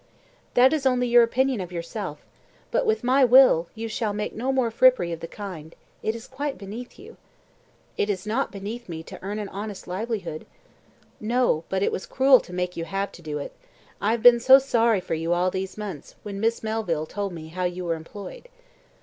"That is only your opinion of yourself. But with my will, you shall make no more frippery of the kind. It is quite beneath you." "It is not beneath me to earn an honest livelihood." "No; but it was cruel to make you have to do it. I have been so sorry for you all these months, when Miss Melville told me how you were employed."